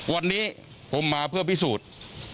วันนี้ผมมาเพื่อพิสูจน์